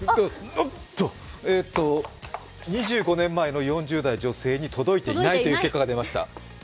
おっと２５年前の４０代女性に届いていないという結果が出ました。